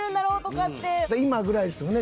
今ぐらいですもんね